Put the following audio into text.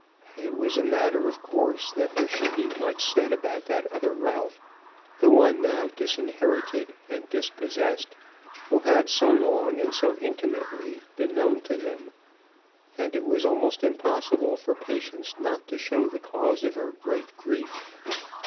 It was a matter of course that there should be much said about that other Ralph, the one now disinherited and dispossessed, who had so long and so intimately been known to them; and it was almost impossible for Patience not to show the cause of her great grief.